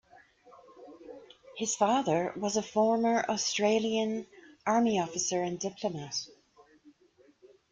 His father was a former Australian Army officer and diplomat.